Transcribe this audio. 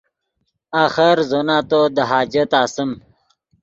آخر زو نتو دے حاجت آسیم